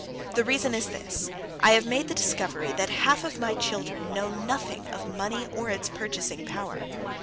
The reason is this: I have made the discovery that half of my children know nothing of money or its purchasing power.